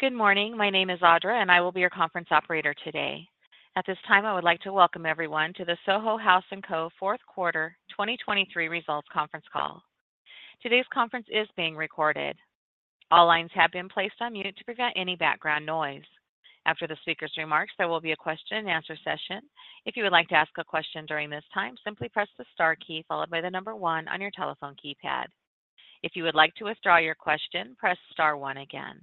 Good morning. My name is Audra, and I will be your conference operator today. At this time, I would like to welcome everyone to the Soho House & Co fourth quarter 2023 results Conference Call. Today's conference is being recorded. All lines have been placed on mute to prevent any background noise. After the speaker's remarks, there will be a question-and-answer session. If you would like to ask a question during this time, simply Press the Star key followed by the number one on your telephone keypad. If you would like to withdraw your question, press star one again.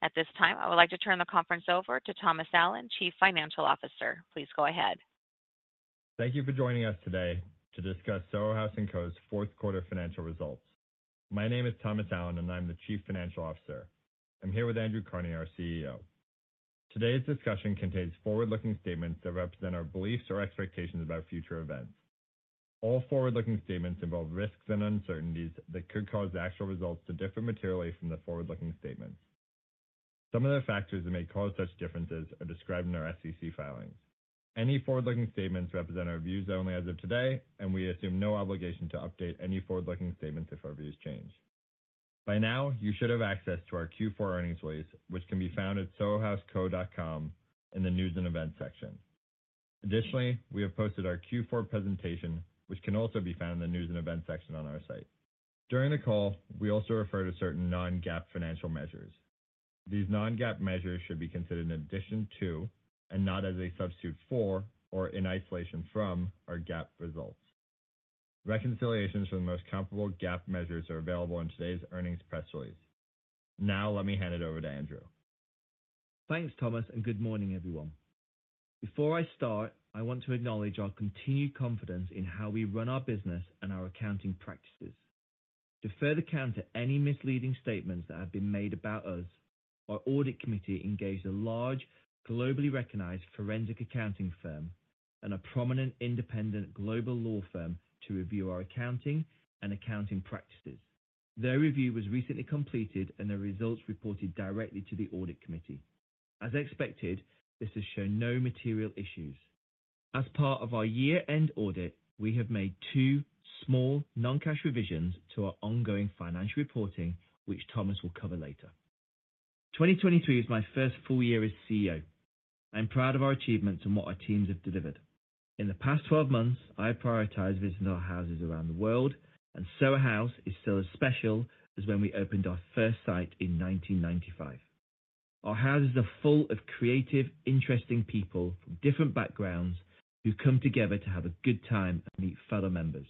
At this time, I would like to turn the conference over to Thomas Allen, Chief Financial Officer. Please go ahead. Thank you for joining us today to discuss Soho House & Co's fourth quarter financial results. My name is Thomas Allen, and I'm the Chief Financial Officer. I'm here with Andrew Carnie, our CEO. Today's discussion contains forward-looking statements that represent our beliefs or expectations about future events. All forward-looking statements involve risks and uncertainties that could cause the actual results to differ materially from the forward-looking statements. Some of the factors that may cause such differences are described in our SEC filings. Any forward-looking statements represent our views only as of today, and we assume no obligation to update any forward-looking statements if our views change. By now, you should have access to our Q4 earnings release, which can be found at sohohouse.com in the news and events section. Additionally, we have posted our Q4 presentation, which can also be found in the news and events section on our site. During the call, we also refer to certain non-GAAP financial measures. These non-GAAP measures should be considered an addition to and not as a substitute for or in isolation from our GAAP results. Reconciliations for the most comparable GAAP measures are available in today's earnings press release. Now let me hand it over to Andrew. Thanks, Thomas, and good morning, everyone. Before I start, I want to acknowledge our continued confidence in how we run our business and our accounting practices. To further counter any misleading statements that have been made about us, our audit committee engaged a large, globally recognized forensic accounting firm and a prominent independent global law firm to review our accounting and accounting practices. Their review was recently completed, and their results reported directly to the audit committee. As expected, this has shown no material issues. As part of our year-end audit, we have made two small non-cash revisions to our ongoing financial reporting, which Thomas will cover later. 2023 is my first full year as CEO. I'm proud of our achievements and what our teams have delivered. In the past 12 months, I have prioritized visiting our houses around the world, and Soho House is still as special as when we opened our first site in 1995. Our houses are full of creative, interesting people from different backgrounds who come together to have a good time and meet fellow members.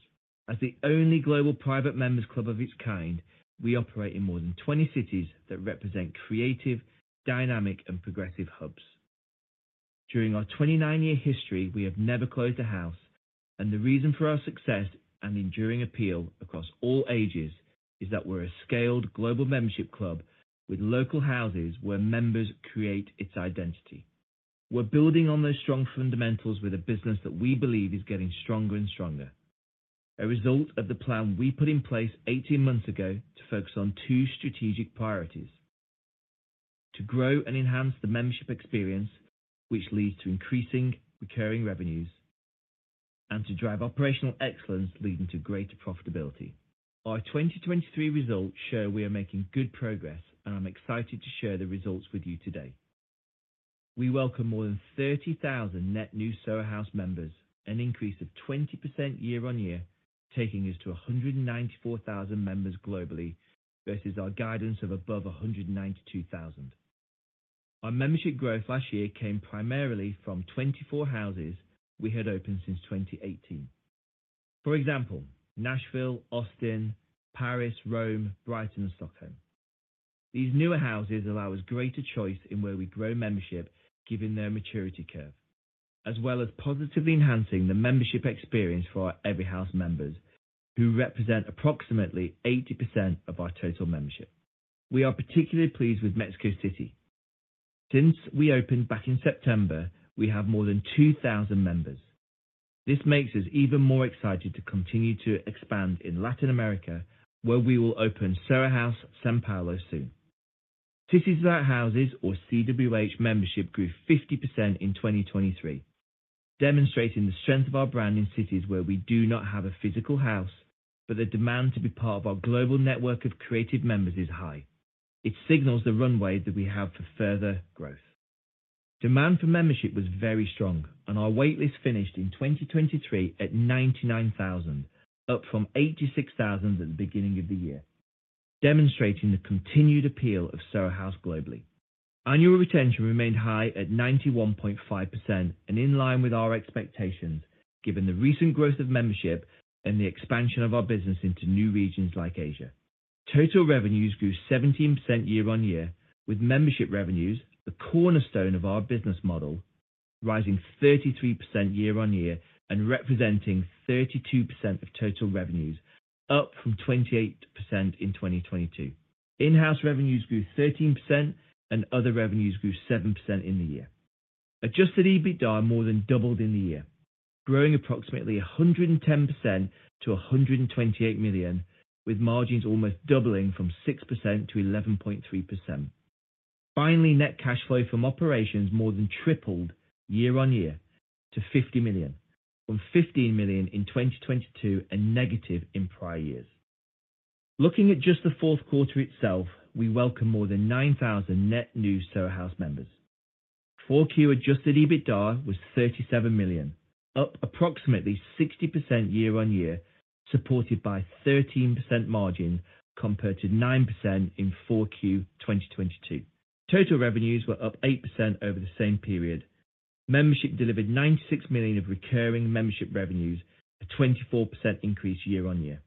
As the only global private members' club of its kind, we operate in more than 20 cities that represent creative, dynamic, and progressive hubs. During our 29-year history, we have never closed a house, and the reason for our success and enduring appeal across all ages is that we're a scaled global membership club with local houses where members create its identity. We're building on those strong fundamentals with a business that we believe is getting stronger and stronger, a result of the plan we put in place 18 months ago to focus on two strategic priorities: to grow and enhance the membership experience, which leads to increasing recurring revenues, and to drive operational excellence leading to greater profitability. Our 2023 results show we are making good progress, and I'm excited to share the results with you today. We welcome more than 30,000 net new Soho House members, an increase of 20% year-over-year, taking us to 194,000 members globally versus our guidance of above 192,000. Our membership growth last year came primarily from 24 houses we had opened since 2018. For example, Nashville, Austin, Paris, Rome, Brighton, and Stockholm. These newer houses allow us greater choice in where we grow membership given their maturity curve, as well as positively enhancing the membership experience for our every-house members, who represent approximately 80% of our total membership. We are particularly pleased with Mexico City. Since we opened back in September, we have more than 2,000 members. This makes us even more excited to continue to expand in Latin America, where we will open Soho House São Paulo soon. Cities Without Houses, or CWH, membership grew 50% in 2023, demonstrating the strength of our brand in cities where we do not have a physical house, but the demand to be part of our global network of creative members is high. It signals the runway that we have for further growth. Demand for membership was very strong, and our waitlist finished in 2023 at 99,000, up from 86,000 at the beginning of the year, demonstrating the continued appeal of Soho House globally. Annual retention remained high at 91.5%, and in line with our expectations given the recent growth of membership and the expansion of our business into new regions like Asia. Total revenues grew 17% year-over-year, with membership revenues, the cornerstone of our business model, rising 33% year-over-year and representing 32% of total revenues, up from 28% in 2022. In-house revenues grew 13%, and other revenues grew 7% in the year. Adjusted EBITDA more than doubled in the year, growing approximately 110% to$128 million, with margins almost doubling from 6% to 11.3%. Finally, net cash flow from operations more than tripled year-on-year to $50 million, from $15 million in 2022 and negative in prior years. Looking at just the fourth quarter itself, we welcome more than 9,000 net new Soho House members. 4Q adjusted EBITDA was $37 million, up approximately 60% year-on-year, supported by a 13% margin compared to 9% in 4Q 2022. Total revenues were up 8% over the same period. Membership delivered $96 million of recurring membership revenues, a 24% increase year-on-year.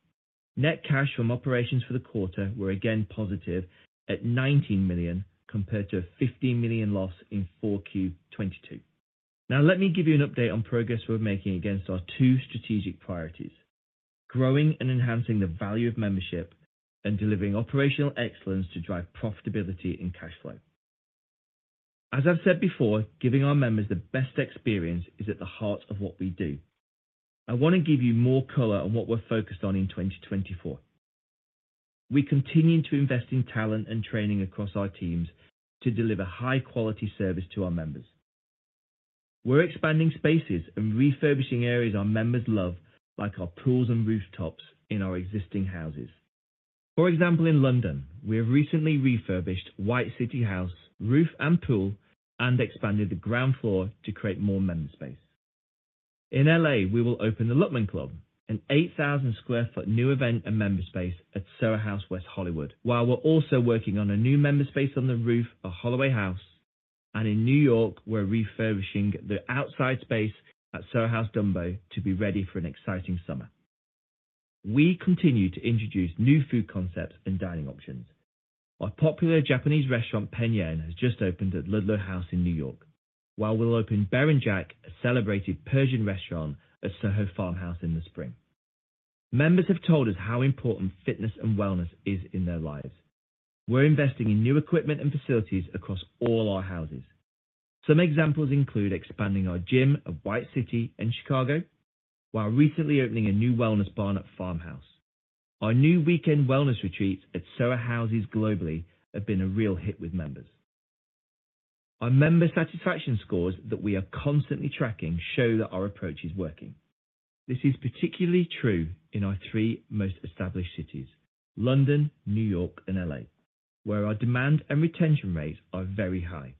Net cash from operations for the quarter were again positive at $19 million compared to a $15 million loss in 4Q 22. Now let me give you an update on progress we're making against our two strategic priorities: growing and enhancing the value of membership and delivering operational excellence to drive profitability and cash flow. As I've said before, giving our members the best experience is at the heart of what we do. I want to give you more color on what we're focused on in 2024. We continue to invest in talent and training across our teams to deliver high-quality service to our members. We're expanding spaces and refurbishing areas our members love, like our pools and rooftops in our existing houses. For example, in London, we have recently refurbished White City House roof and pool and expanded the ground floor to create more member space. In LA, we will open the Luckman Club, an 8,000-square-foot new event and member space at Soho House West Hollywood, while we're also working on a new member space on the roof, a Holloway House, and in New York, we're refurbishing the outside space at Soho House Dumbo to be ready for an exciting summer. We continue to introduce new food concepts and dining options. Our popular Japanese restaurant, Pen Yen, has just opened at Ludlow House in New York, while we'll open Berenjak, a celebrated Persian restaurant, at Soho Farmhouse in the spring. Members have told us how important fitness and wellness is in their lives. We're investing in new equipment and facilities across all our houses. Some examples include expanding our gym of White City and Chicago, while recently opening a new wellness barn at Farmhouse. Our new weekend wellness retreats at Soho Houses globally have been a real hit with members. Our member satisfaction scores that we are constantly tracking show that our approach is working. This is particularly true in our three most established cities, London, New York, and LA, where our demand and retention rates are very high.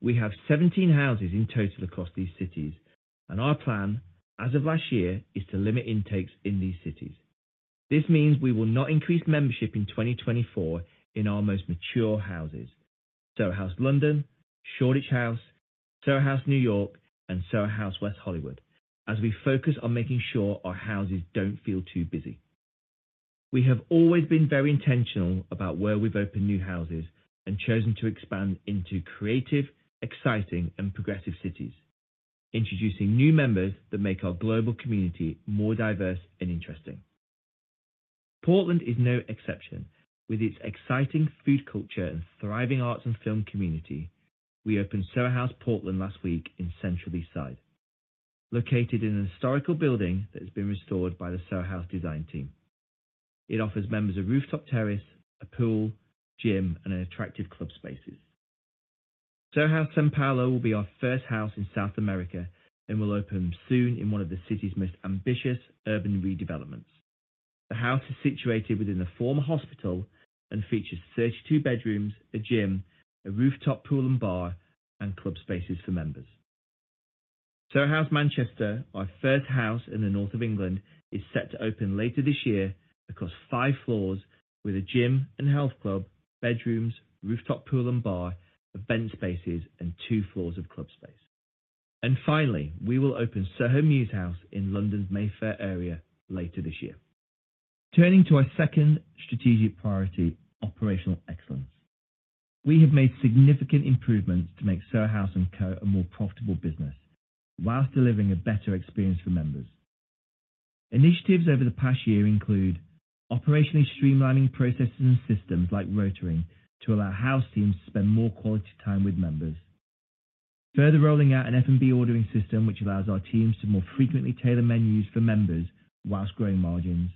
We have 17 houses in total across these cities, and our plan, as of last year, is to limit intakes in these cities. This means we will not increase membership in 2024 in our most mature houses, Soho House London, Shoreditch House, Soho House New York, and Soho House West Hollywood, as we focus on making sure our houses don't feel too busy. We have always been very intentional about where we've opened new houses and chosen to expand into creative, exciting, and progressive cities, introducing new members that make our global community more diverse and interesting. Portland is no exception. With its exciting food culture and thriving arts and film community, we opened Soho House Portland last week in Central East Side, located in an historical building that has been restored by the Soho House design team. It offers members a rooftop terrace, a pool, gym, and attractive club spaces. Soho House São Paulo will be our first house in South America and will open soon in one of the city's most ambitious urban redevelopments. The house is situated within the former hospital and features 32 bedrooms, a gym, a rooftop pool and bar, and club spaces for members. Soho House Manchester, our first house in the north of England, is set to open later this year across five floors with a gym and health club, bedrooms, rooftop pool and bar, event spaces, and two floors of club space. And finally, we will open Soho Mews House in London's Mayfair area later this year. Turning to our second strategic priority, operational excellence. We have made significant improvements to make Soho House & Co a more profitable business while delivering a better experience for members. Initiatives over the past year include operationally streamlining processes and systems like rotoring to allow house teams to spend more quality time with members, further rolling out an F&B ordering system which allows our teams to more frequently tailor menus for members while growing margins,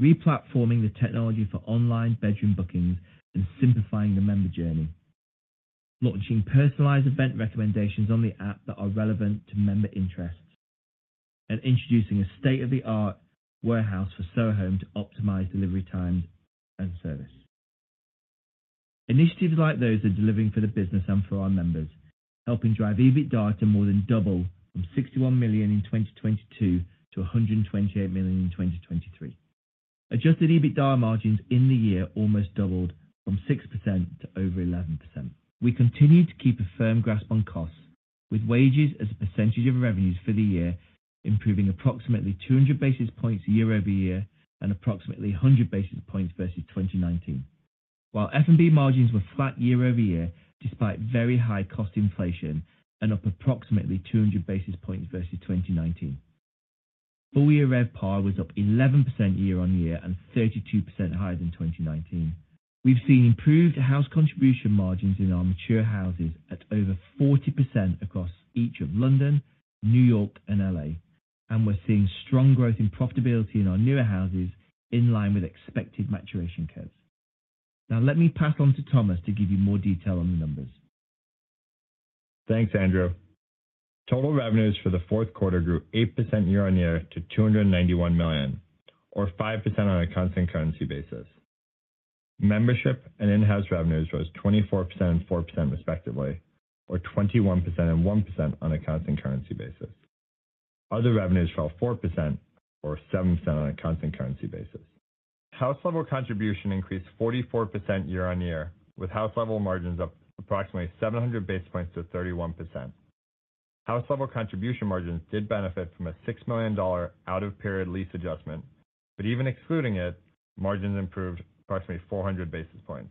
replatforming the technology for online bedroom bookings, and simplifying the member journey, launching personalized event recommendations on the app that are relevant to member interests, and introducing a state-of-the-art warehouse for Soho Home to optimize delivery times and service. Initiatives like those are delivering for the business and for our members, helping drive EBITDA to more than double from $61 million in 2022 to $128 million in 2023. Adjusted EBITDA margins in the year almost doubled from 6% to over 11%. We continue to keep a firm grasp on costs, with wages as a percentage of revenues for the year improving approximately 200 basis points year-over-year and approximately 100 basis points versus 2019, while F&B margins were flat year-over-year despite very high cost inflation and up approximately 200 basis points versus 2019. Full-year revenue was up 11% year-over-year and 32% higher than 2019. We've seen improved House contribution margins in our mature houses at over 40% across each of London, New York, and L.A., and we're seeing strong growth in profitability in our newer houses in line with expected maturation curves. Now let me pass on to Thomas to give you more detail on the numbers. Thanks, Andrew. Total revenues for the fourth quarter grew 8% year-on-year to $291 million, or 5% on a constant currency basis. Membership and in-house revenues rose 24% and 4% respectively, or 21% and 1% on a constant currency basis. Other revenues fell 4% or 7% on a constant currency basis. House level contribution increased 44% year-on-year, with house level margins up approximately 700 basis points to 31%. House level contribution margins did benefit from a $6 million out-of-period lease adjustment, but even excluding it, margins improved approximately 400 basis points.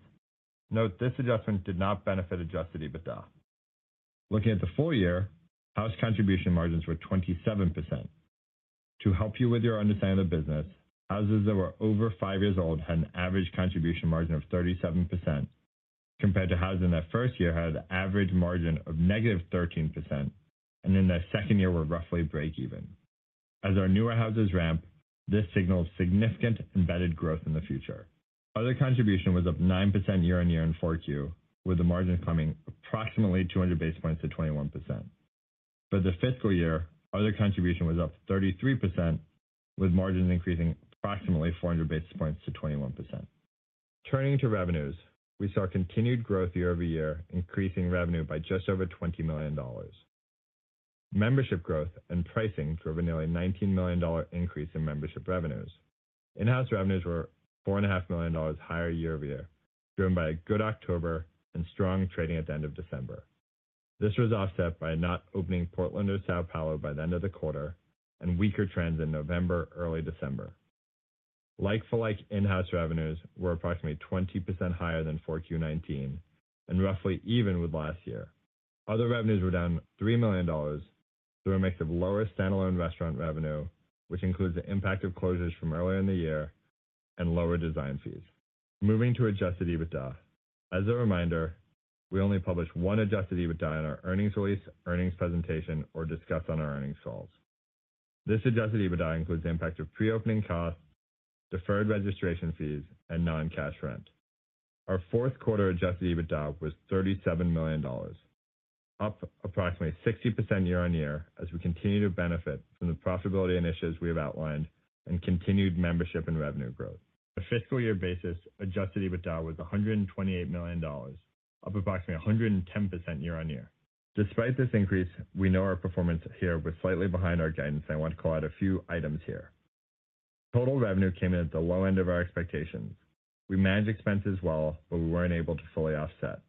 Note this adjustment did not benefit adjusted EBITDA. Looking at the full year, house contribution margins were 27%. To help you with your understanding of the business, houses that were over five years old had an average contribution margin of 37% compared to houses in their first year that had an average margin of -13% and in their second year were roughly break even. As our newer houses ramp, this signals significant embedded growth in the future. Other contribution was up 9% year-over-year in 4Q, with the margins coming approximately 200 basis points to 21%. For the fiscal year, other contribution was up 33%, with margins increasing approximately 400 basis points to 21%. Turning to revenues, we saw continued growth year-over-year, increasing revenue by just over $20 million. Membership growth and pricing drove a nearly $19 million increase in membership revenues. In-house revenues were $4.5 million higher year-over-year, driven by a good October and strong trading at the end of December. This was offset by not opening Portland or São Paulo by the end of the quarter and weaker trends in November, early December. Like-for-like in-house revenues were approximately 20% higher than 4Q 2019 and roughly even with last year. Other revenues were down $3 million through a mix of lower standalone restaurant revenue, which includes the impact of closures from earlier in the year, and lower design fees. Moving to adjusted EBITDA. As a reminder, we only publish one adjusted EBITDA in our earnings release, earnings presentation, or discussed on our earnings calls. This adjusted EBITDA includes the impact of pre-opening costs, deferred registration fees, and non-cash rent. Our fourth quarter adjusted EBITDA was $37 million, up approximately 60% year-on-year as we continue to benefit from the profitability initiatives we have outlined and continued membership and revenue growth. On a fiscal year basis, Adjusted EBITDA was $128 million, up approximately 110% year-over-year. Despite this increase, we know our performance here was slightly behind our guidance, and I want to call out a few items here. Total revenue came in at the low end of our expectations. We managed expenses well, but we weren't able to fully offset.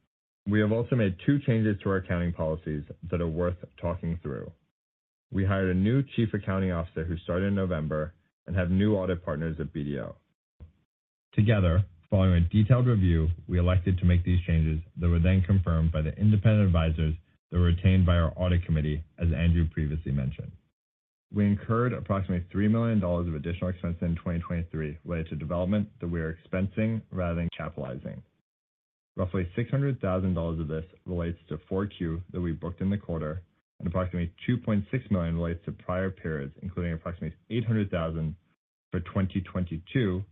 We have also made two changes to our accounting policies that are worth talking through. We hired a new chief accounting officer who started in November and have new audit partners at BDO. Together, following a detailed review, we elected to make these changes that were then confirmed by the independent advisors that were retained by our audit committee, as Andrew previously mentioned. We incurred approximately $3 million of additional expense in 2023 related to development that we are expensing rather than capitalizing. Roughly $600,000 of this relates to 4Q that we booked in the quarter, and approximately $2.6 million relates to prior periods, including approximately $800,000 for 2022,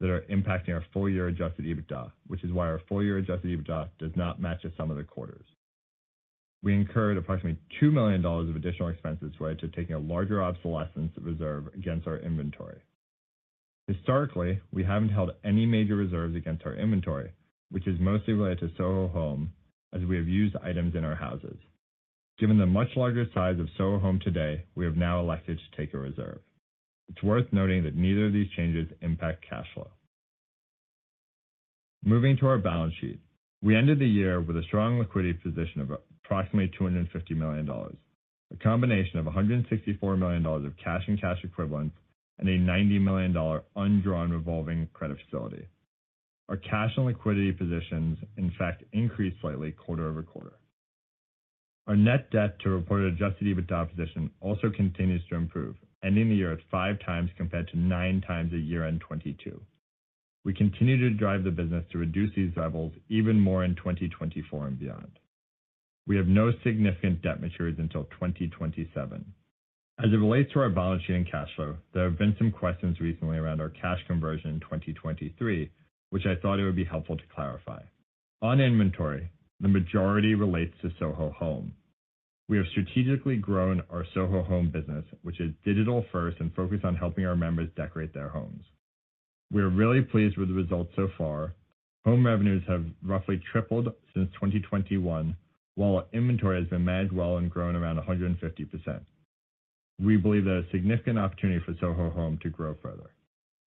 that are impacting our full year adjusted EBITDA, which is why our full year adjusted EBITDA does not match the sum of the quarters. We incurred approximately $2 million of additional expenses related to taking a larger obsolescence reserve against our inventory. Historically, we haven't held any major reserves against our inventory, which is mostly related to Soho Home as we have used items in our Houses. Given the much larger size of Soho Home today, we have now elected to take a reserve. It's worth noting that neither of these changes impact cash flow. Moving to our balance sheet, we ended the year with a strong liquidity position of approximately $250 million, a combination of $164 million of cash and cash equivalents, and a $90 million undrawn revolving credit facility. Our cash and liquidity positions, in fact, increased slightly quarter-over-quarter. Our net debt to reported adjusted EBITDA position also continues to improve, ending the year at 5x compared to 9x at year-end 2022. We continue to drive the business to reduce these levels even more in 2024 and beyond. We have no significant debt maturities until 2027. As it relates to our balance sheet and cash flow, there have been some questions recently around our cash conversion in 2023, which I thought it would be helpful to clarify. On inventory, the majority relates to Soho Home. We have strategically grown our Soho Home business, which is digital first and focused on helping our members decorate their homes. We are really pleased with the results so far. Home revenues have roughly tripled since 2021, while inventory has been managed well and grown around 150%. We believe there is significant opportunity for Soho Home to grow further.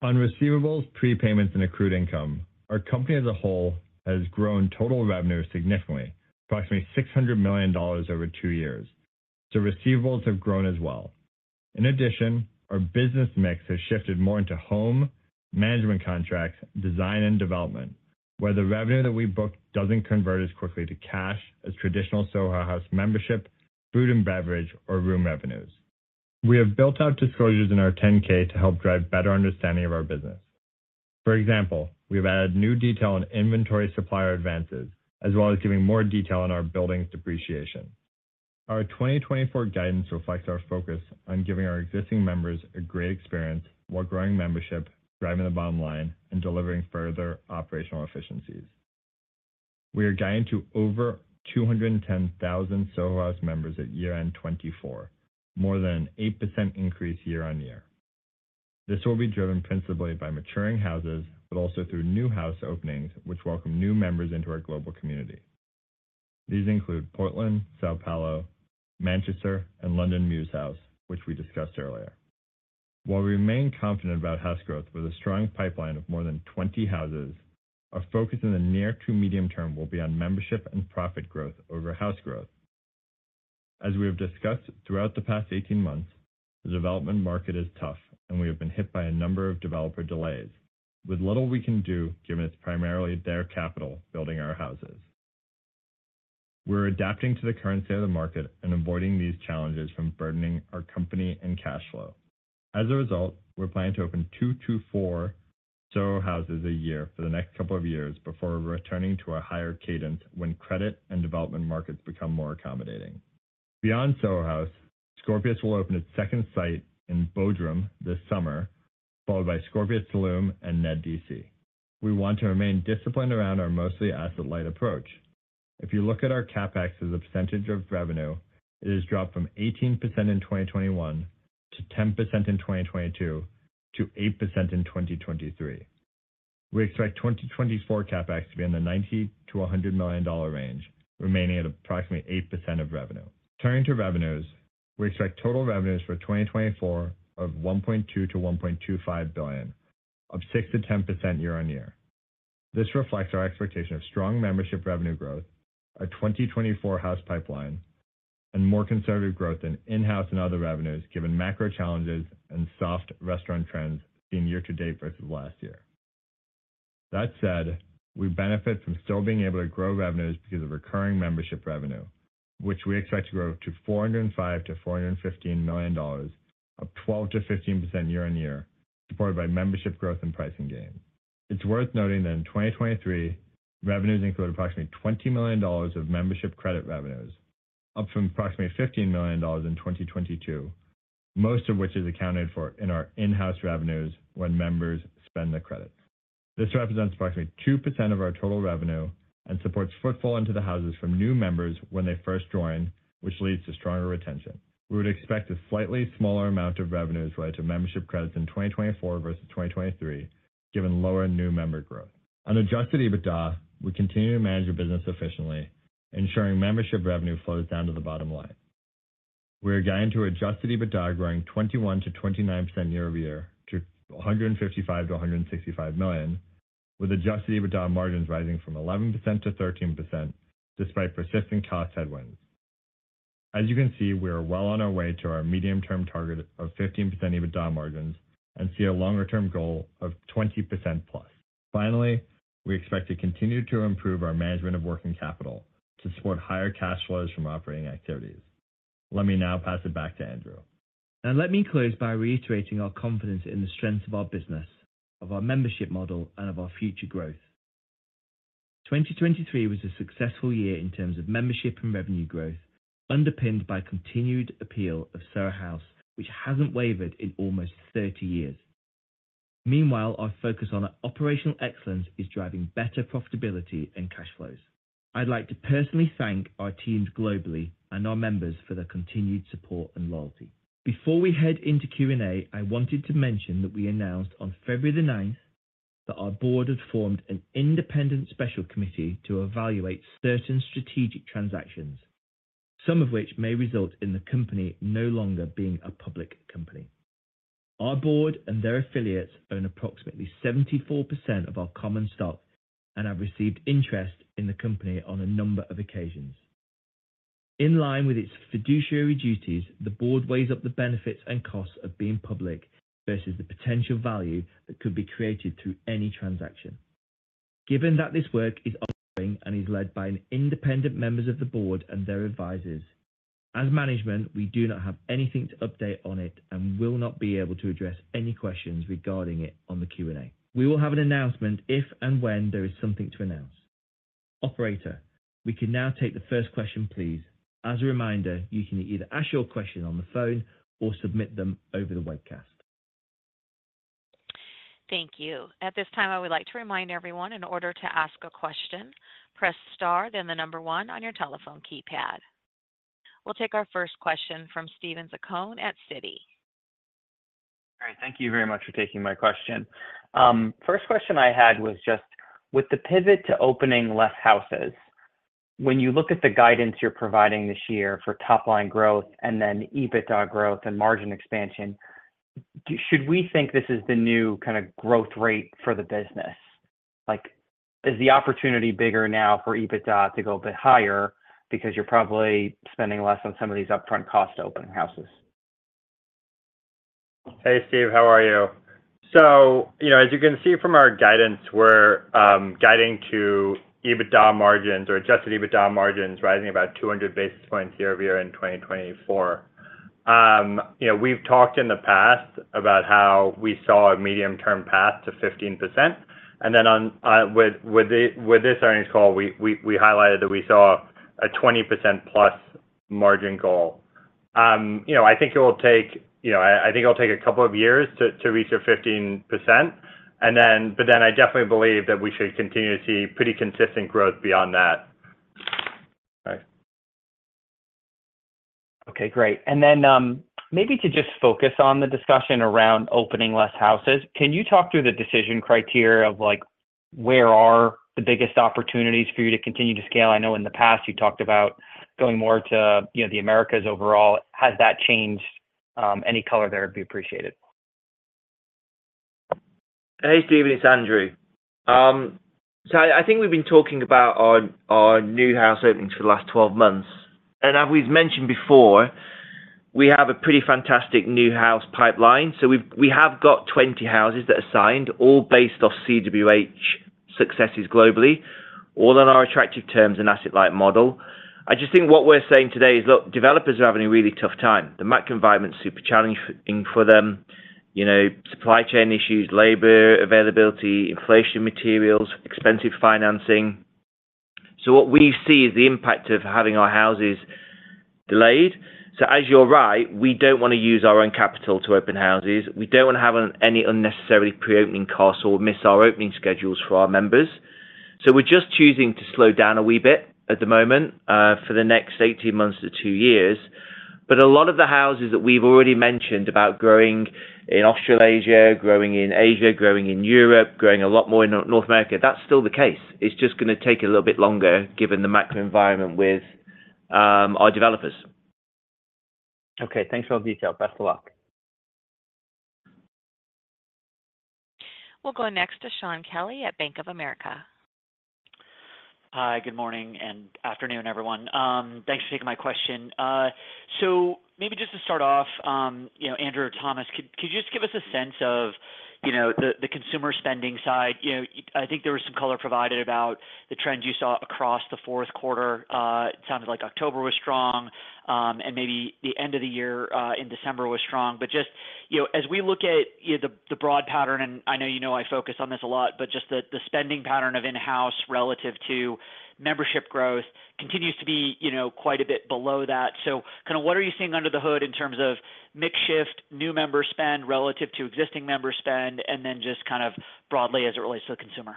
On receivables, prepayments, and accrued income, our company as a whole has grown total revenue significantly, approximately $600 million over two years. So receivables have grown as well. In addition, our business mix has shifted more into home, management contracts, design, and development, where the revenue that we booked doesn't convert as quickly to cash as traditional Soho House membership, food and beverage, or room revenues. We have built out disclosures in our 10-K to help drive better understanding of our business. For example, we have added new detail on inventory supplier advances, as well as giving more detail on our building's depreciation. Our 2024 guidance reflects our focus on giving our existing members a great experience while growing membership, driving the bottom line, and delivering further operational efficiencies. We are guiding to over 210,000 Soho House members at year-end 2024, more than an 8% increase year-over-year. This will be driven principally by maturing houses, but also through new house openings, which welcome new members into our global community. These include Portland, São Paulo, Manchester, and Soho Muse House, which we discussed earlier. While we remain confident about house growth with a strong pipeline of more than 20 houses, our focus in the near to medium term will be on membership and profit growth over house growth. As we have discussed throughout the past 18 months, the development market is tough, and we have been hit by a number of developer delays, with little we can do given it's primarily their capital building our houses. We're adapting to the current state of the market and avoiding these challenges from burdening our company and cash flow. As a result, we're planning to open 224 Soho Houses a year for the next couple of years before returning to a higher cadence when credit and development markets become more accommodating. Beyond Soho House, Scorpios will open its second site in Bodrum this summer, followed by Scorpios Tulum and The Ned D.C. We want to remain disciplined around our mostly asset-light approach. If you look at our CapEx as a percentage of revenue, it has dropped from 18% in 2021 to 10% in 2022 to 8% in 2023. We expect 2024 CapEx to be in the $90 million-$100 million range, remaining at approximately 8% of revenue. Turning to revenues, we expect total revenues for 2024 of $1.2 billion-$1.25 billion, up 6%-10% year-on-year. This reflects our expectation of strong membership revenue growth, a 2024 House pipeline, and more conservative growth in in-House and other revenues given macro challenges and soft restaurant trends seen year-to-date versus last year. That said, we benefit from still being able to grow revenues because of recurring membership revenue, which we expect to grow to $405 million-$415 million, up 12%-15% year-on-year, supported by membership growth and pricing gains. It's worth noting that in 2023, revenues included approximately $20 million of membership credit revenues, up from approximately $15 million in 2022, most of which is accounted for in our in-house revenues when members spend the credit. This represents approximately 2% of our total revenue and supports footfall into the houses from new members when they first join, which leads to stronger retention. We would expect a slightly smaller amount of revenues related to membership credits in 2024 versus 2023, given lower new member growth. On Adjusted EBITDA, we continue to manage the business efficiently, ensuring membership revenue flows down to the bottom line. We are guiding to Adjusted EBITDA growing 21%-29% year-over-year to $155 million-$165 million, with Adjusted EBITDA margins rising from 11%-13% despite persistent cost headwinds. As you can see, we are well on our way to our medium-term target of 15% EBITDA margins and see a longer-term goal of +20%. Finally, we expect to continue to improve our management of working capital to support higher cash flows from operating activities. Let me now pass it back to Andrew. Let me close by reiterating our confidence in the strengths of our business, of our membership model, and of our future growth. 2023 was a successful year in terms of membership and revenue growth, underpinned by continued appeal of Soho House, which hasn't wavered in almost 30 years. Meanwhile, our focus on operational excellence is driving better profitability and cash flows. I'd like to personally thank our teams globally and our members for their continued support and loyalty. Before we head into Q&A, I wanted to mention that we announced on February the 9th that our board had formed an independent special committee to evaluate certain strategic transactions, some of which may result in the company no longer being a public company. Our board and their affiliates own approximately 74% of our common stock and have received interest in the company on a number of occasions. In line with its fiduciary duties, the board weighs up the benefits and costs of being public versus the potential value that could be created through any transaction. Given that this work is ongoing and is led by independent members of the board and their advisors, as management, we do not have anything to update on it and will not be able to address any questions regarding it on the Q&A. We will have an announcement if and when there is something to announce. Operator, we can now take the first question, please. As a reminder, you can either ask your question on the phone or submit them over the webcast. Thank you. At this time, I would like to remind everyone, in order to ask a question, press star, then the number one on your telephone keypad. We'll take our first question from Steven Zaccone at Citi. All right. Thank you very much for taking my question. First question I had was just, with the pivot to opening less houses, when you look at the guidance you're providing this year for top-line growth and then EBITDA growth and margin expansion, should we think this is the new kind of growth rate for the business? Is the opportunity bigger now for EBITDA to go a bit higher because you're probably spending less on some of these upfront cost opening houses? Hey, Steve. How are you? As you can see from our guidance, we're guiding to EBITDA margins or adjusted EBITDA margins rising about 200 basis points year-over-year in 2024. We've talked in the past about how we saw a medium-term path to 15%. And then with this earnings call, we highlighted that we saw a 20%+ margin goal. I think it will take I think it'll take a couple of years to reach a 15%. But then I definitely believe that we should continue to see pretty consistent growth beyond that. Okay. Great. And then maybe to just focus on the discussion around opening less houses, can you talk through the decision criteria of where are the biggest opportunities for you to continue to scale? I know in the past, you talked about going more to the Americas overall. Has that changed any color there? It'd be appreciated. Hey, Steve. It's Andrew. So I think we've been talking about our new house openings for the last 12 months. And as we've mentioned before, we have a pretty fantastic new house pipeline. So we have got 20 houses that are signed, all based off CWH successes globally, all on our attractive terms and asset-light model. I just think what we're saying today is, look, developers are having a really tough time. The macro environment's super challenging for them, supply chain issues, labor availability, inflation, materials, expensive financing. So what we see is the impact of having our houses delayed. So as you're right, we don't want to use our own capital to open houses. We don't want to have any unnecessary pre-opening costs or miss our opening schedules for our members. So we're just choosing to slow down a wee bit at the moment for the next 18 months to two years. But a lot of the houses that we've already mentioned about growing in Australasia, growing in Asia, growing in Europe, growing a lot more in North America, that's still the case. It's just going to take a little bit longer given the macro environment with our developers. Okay. Thanks for all the detail. Best of luck. We'll go next to Shaun Kelley at Bank of America. Hi. Good morning and afternoon, everyone. Thanks for taking my question. So maybe just to start off, Andrew or Thomas, could you just give us a sense of the consumer spending side? I think there was some color provided about the trends you saw across the fourth quarter. It sounded like October was strong, and maybe the end of the year in December was strong. But just as we look at the broad pattern, and I know you know I focus on this a lot, but just the spending pattern of in-house relative to membership growth continues to be quite a bit below that. So kind of what are you seeing under the hood in terms of mixed shift, new member spend relative to existing member spend, and then just kind of broadly as it relates to the consumer?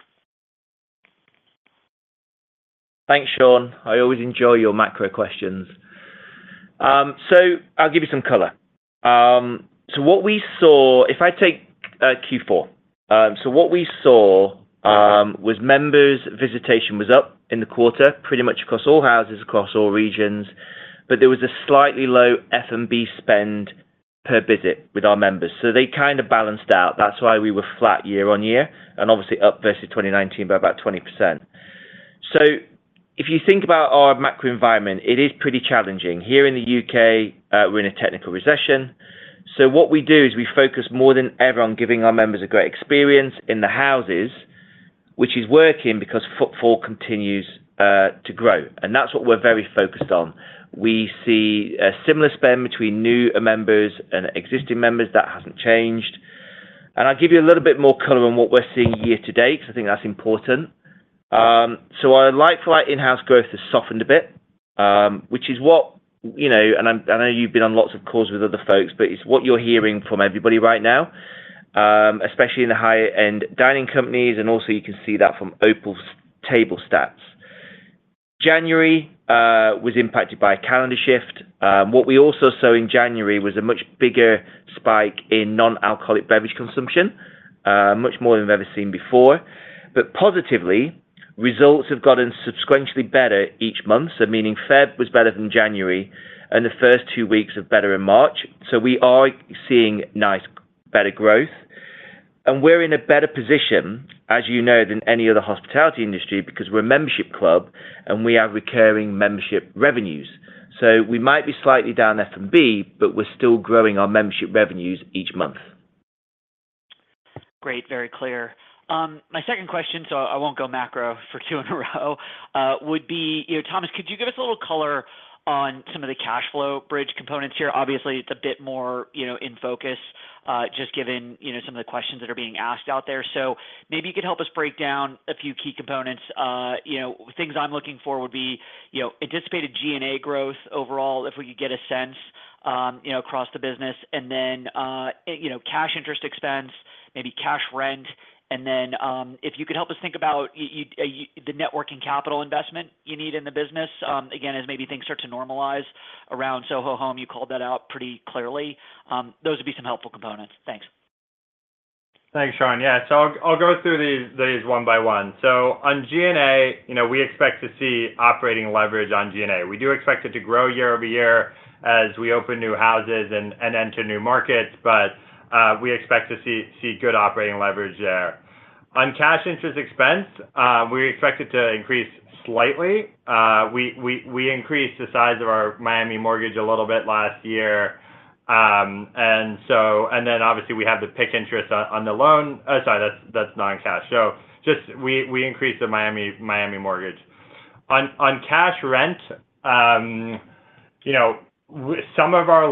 Thanks, Shaun. I always enjoy your macro questions. So I'll give you some color. So what we saw if I take Q4, so what we saw was members' visitation was up in the quarter pretty much across all houses, across all regions, but there was a slightly low F&B spend per visit with our members. So they kind of balanced out. That's why we were flat year-on-year and obviously up versus 2019 by about 20%. So if you think about our macro environment, it is pretty challenging. Here in the U.K., we're in a technical recession. So what we do is we focus more than ever on giving our members a great experience in the houses, which is working because footfall continues to grow. And that's what we're very focused on. We see a similar spend between new members and existing members. That hasn't changed. I'll give you a little bit more color on what we're seeing year to date because I think that's important. So I like the way in-house growth has softened a bit, which is what and I know you've been on lots of calls with other folks, but it's what you're hearing from everybody right now, especially in the higher-end dining companies. And also you can see that from OpenTable stats. January was impacted by a calendar shift. What we also saw in January was a much bigger spike in non-alcoholic beverage consumption, much more than we've ever seen before. But positively, results have gotten substantially better each month, so meaning February was better than January, and the first two weeks are better in March. So we are seeing nice, better growth. And we're in a better position, as you know, than any other hospitality industry because we're a membership club and we have recurring membership revenues. So we might be slightly down F&B, but we're still growing our membership revenues each month. Great. Very clear. My second question, so I won't go macro for two in a row, would be, Thomas, could you give us a little color on some of the cash flow bridge components here? Obviously, it's a bit more in focus just given some of the questions that are being asked out there. So maybe you could help us break down a few key components. Things I'm looking for would be anticipated G&A growth overall, if we could get a sense across the business, and then cash interest expense, maybe cash rent. And then if you could help us think about the working capital investment you need in the business, again, as maybe things start to normalize around Soho Home, you called that out pretty clearly. Those would be some helpful components. Thanks. Thanks, Shaun. Yeah. So I'll go through these one by one. So on G&A, we expect to see operating leverage on G&A. We do expect it to grow year-over-year as we open new houses and enter new markets, but we expect to see good operating leverage there. On cash interest expense, we expect it to increase slightly. We increased the size of our Miami mortgage a little bit last year. And then obviously, we have the PIK interest on the loan, that's non-cash. So we increased the Miami mortgage. On cash rent, some of our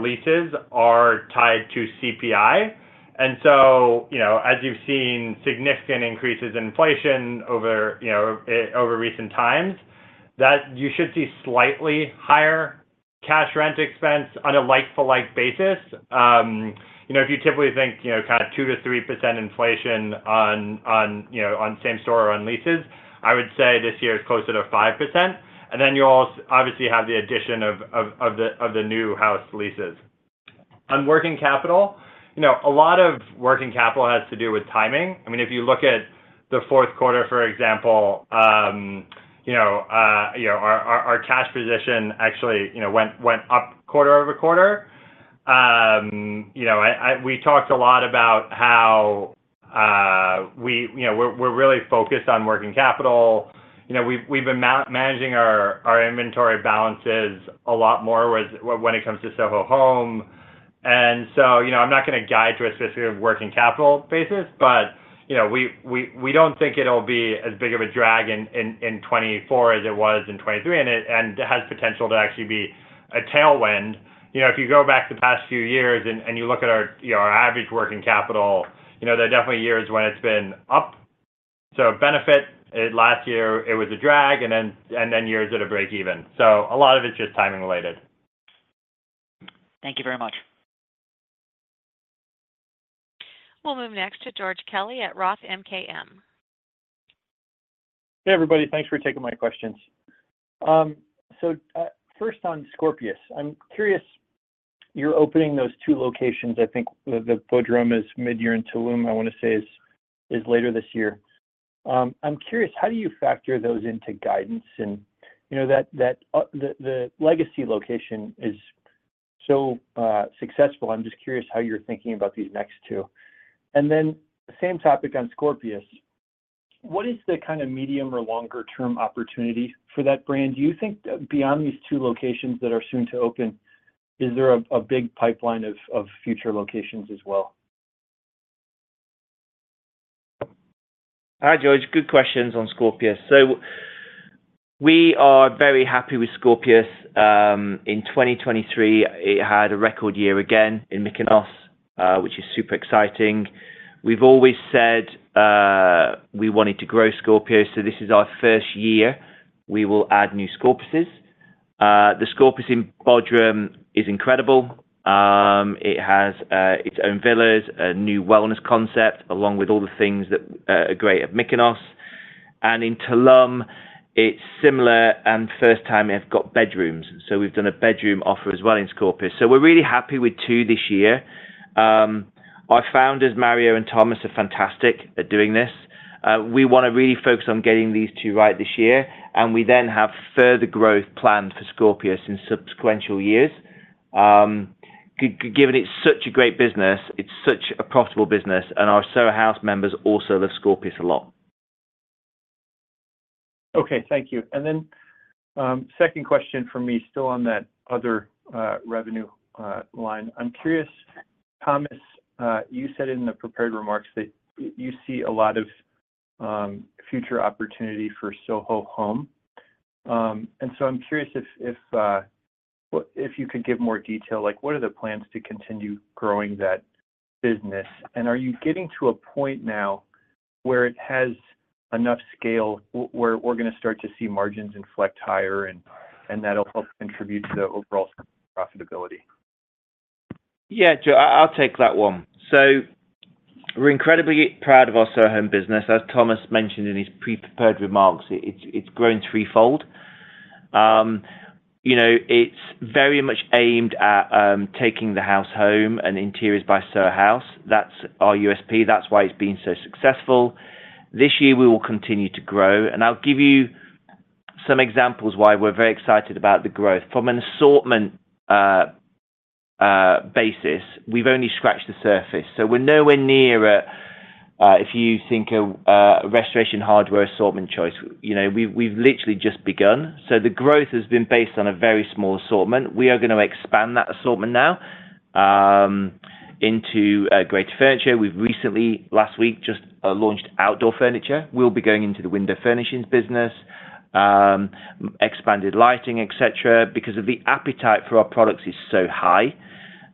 leases are tied to CPI. And so as you've seen significant increases in inflation over recent times, you should see slightly higher cash rent expense on a like-for-like basis. If you typically think kind of 2%-3% inflation on same store or on leases, I would say this year is closer to 5%. And then you'll obviously have the addition of the new house leases. On working capital, a lot of working capital has to do with timing. I mean, if you look at the fourth quarter, for example, our cash position actually went up quarter-over-quarter. We talked a lot about how we're really focused on working capital. We've been managing our inventory balances a lot more when it comes to Soho Home. And so I'm not going to guide to a specific working capital basis, but we don't think it'll be as big of a drag in 2024 as it was in 2023 and has potential to actually be a tailwind. If you go back to the past few years and you look at our average working capital, there are definitely years when it's been up. So benefit, last year, it was a drag, and then years at a breakeven. So a lot of it's just timing-related. Thank you very much. We'll move next to George Kelly at Roth MKM. Hey, everybody. Thanks for taking my questions. So first on Scorpios, I'm curious, you're opening those two locations. I think the Bodrum is mid-year in Tulum, I want to say, is later this year. I'm curious, how do you factor those into guidance? And the legacy location is so successful. I'm just curious how you're thinking about these next two. And then same topic on Scorpios, what is the kind of medium or longer-term opportunity for that brand? Do you think beyond these two locations that are soon to open, is there a big pipeline of future locations as well? Hi, George. Good questions on Scorpios. So we are very happy with Scorpios. In 2023, it had a record year again in Mykonos, which is super exciting. We've always said we wanted to grow Scorpios. So this is our first year. We will add new Scorpios. The Scorpios in Bodrum is incredible. It has its own villas, a new wellness concept along with all the things that are great at Mykonos. And in Tulum, it's similar and first time they've got bedrooms. So we've done a bedroom offer as well in Scorpios. So we're really happy with two this year. Our founders, Mario and Thomas, are fantastic at doing this. We want to really focus on getting these two right this year, and we then have further growth planned for Scorpios in subsequent years. Given it's such a great business, it's such a profitable business, and our Soho House members also love Scorpios a lot. Okay. Thank you. Then second question for me, still on that other revenue line. I'm curious, Thomas, you said in the prepared remarks that you see a lot of future opportunity for Soho Home. So I'm curious if you could give more detail, what are the plans to continue growing that business? And are you getting to a point now where it has enough scale, where we're going to start to see margins inflect higher, and that'll help contribute to the overall profitability? Yeah, Joe. I'll take that one. So we're incredibly proud of our Soho Home business. As Thomas mentioned in his pre-prepared remarks, it's grown threefold. It's very much aimed at taking the House home and interiors by Soho House. That's our USP. That's why it's been so successful. This year, we will continue to grow. And I'll give you some examples why we're very excited about the growth. From an assortment basis, we've only scratched the surface. So we're nowhere near, if you think of a Restoration Hardware assortment choice, we've literally just begun. So the growth has been based on a very small assortment. We are going to expand that assortment now into greater furniture. We've recently, last week, just launched outdoor furniture. We'll be going into the window furnishings business, expanded lighting, etc., because the appetite for our products is so high.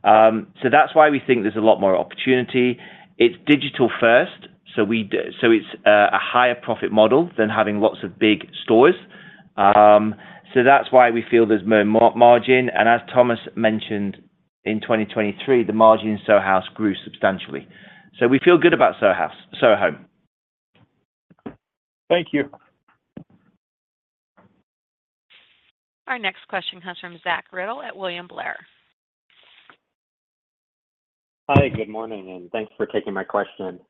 So that's why we think there's a lot more opportunity. It's digital first, so it's a higher-profit model than having lots of big stores. So that's why we feel there's more margin. And as Thomas mentioned, in 2023, the margin in Soho House grew substantially. So we feel good about Soho Home. Thank you. Our next question comes fromWilliam Blair. Hi. Good morning, and thanks for taking my question.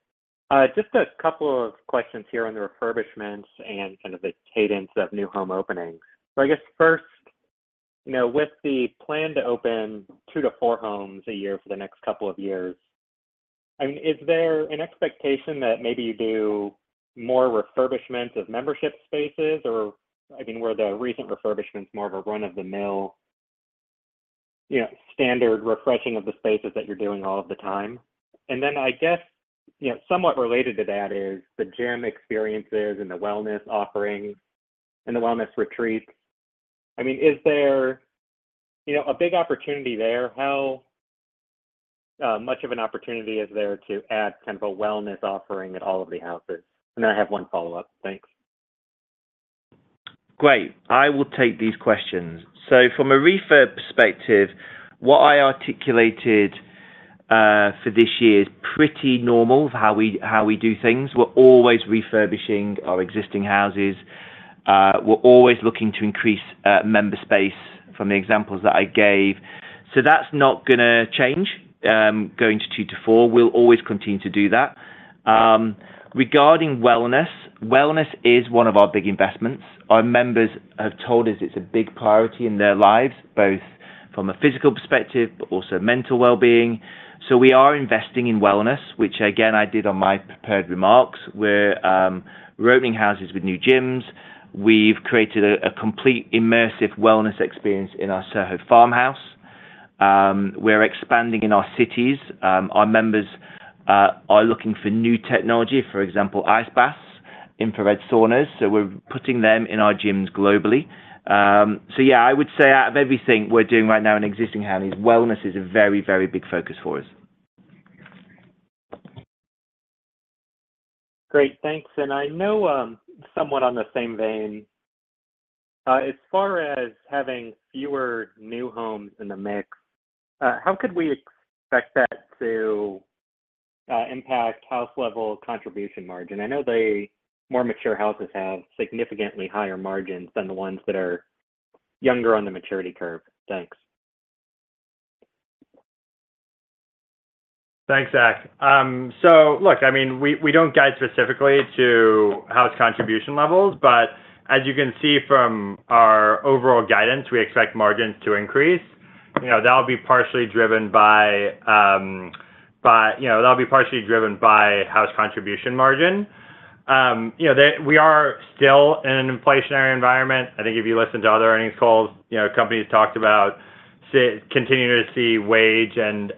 Just a couple of questions here on the refurbishments and kind of the cadence of new home openings. So I guess first, with the plan to open 2-4 homes a year for the next couple of years, I mean, is there an expectation that maybe you do more refurbishments of membership spaces, or I mean, were the recent refurbishments more of a run-of-the-mill standard refreshing of the spaces that you're doing all of the time? And then I guess somewhat related to that is the gym experiences and the wellness offerings and the wellness retreats. I mean, is there a big opportunity there? How much of an opportunity is there to add kind of a wellness offering at all of the houses? And then I have one follow-up. Thanks. Great. I will take these questions. So from a refurb perspective, what I articulated for this year is pretty normal of how we do things. We're always refurbishing our existing houses. We're always looking to increase member space from the examples that I gave. So that's not going to change going to 2-4. We'll always continue to do that. Regarding wellness, wellness is one of our big investments. Our members have told us it's a big priority in their lives, both from a physical perspective but also mental well-being. So we are investing in wellness, which, again, I did on my prepared remarks. We're opening houses with new gyms. We've created a complete immersive wellness experience in our Soho Farmhouse. We're expanding in our cities. Our members are looking for new technology, for example, ice baths, infrared saunas. So we're putting them in our gyms globally. So yeah, I would say out of everything we're doing right now in existing houses, wellness is a very, very big focus for us. Great. Thanks. I know somewhat in the same vein, as far as having fewer new Houses in the mix, how could we expect that to impact House-level Contribution Margin? I know the more mature Houses have significantly higher margins than the ones that are younger on the maturity curve. Thanks. Thanks, Zach. So look, I mean, we don't guide specifically to House Contribution levels, but as you can see from our overall guidance, we expect margins to increase. That'll be partially driven by House contribution margin. We are still in an inflationary environment. I think if you listen to other earnings calls, companies talked about continuing to see wage and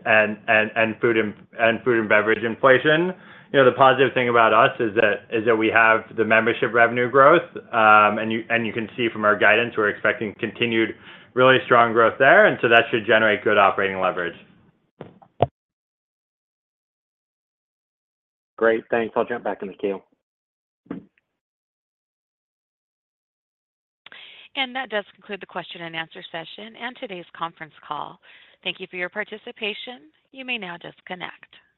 food and beverage inflation. The positive thing about us is that we have the membership revenue growth. And you can see from our guidance, we're expecting continued, really strong growth there. And so that should generate good operating leverage. Great. Thanks. I'll jump back in, Mikhail. That does conclude the question-and-answer session and today's Conference Call. Thank you for your participation. You may now disconnect.